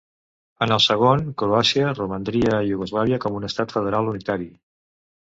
En el segon, Croàcia romandria a Iugoslàvia com un estat federal unitari.